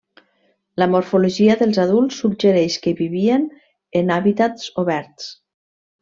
La morfologia dels adults suggereix que vivien en hàbitats oberts.